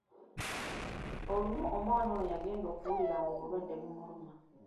Olumu omwana ono yagenda okuwulira ng’obulwadde bumuluma.